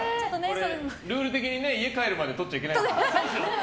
ルール的に家帰るまでとっちゃいけないですから。